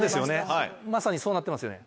はいまさにそうなってますよね。